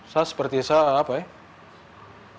saya seperti saya apa ya